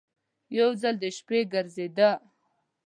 یو ځل د شپې ګرځېده.